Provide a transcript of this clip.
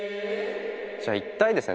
じゃあ一体ですね